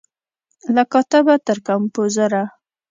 له کاتبه تر کمپوزره